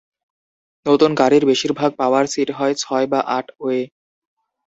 নতুন গাড়ির বেশিরভাগ পাওয়ার সিট হয় ছয় বা আট-ওয়ে।